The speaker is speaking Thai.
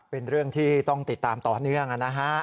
เป็นเรื่องที่ต้องติดตามต่อเนื่องนะฮะ